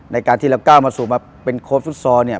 ในการที่เราก้าวมาสู่มาเป็นโค้ดฟุตซอลเนี่ย